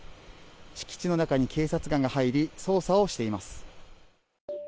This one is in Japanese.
敷地の中に警察官が入り捜査をしています。